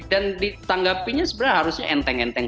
dan ditanggapinya sebenarnya harusnya enteng enteng